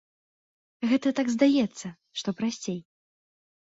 Гэта так здаецца, што прасцей.